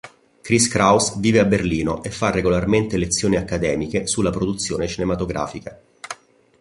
Chris Kraus vive a Berlino e fa regolarmente lezioni accademiche sulla produzione cinematografica.